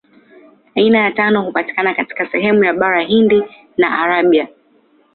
Aina ya tano hupatikana katika sehemu ya Bara Hindi na Arabia.